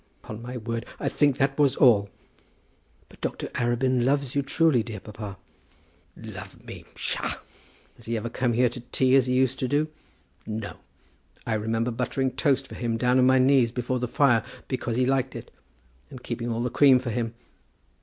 Upon my word I think that was all." "But Dr. Arabin loves you truly, dear papa." "Love me! psha! Does he ever come here to tea, as he used to do? No! I remember buttering toast for him down on my knees before the fire, because he liked it, and keeping all the cream for him.